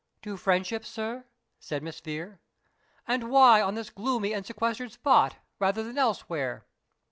"To Friendship, sir!" said Miss Vere; "and why on this gloomy and sequestered spot, rather than elsewhere?"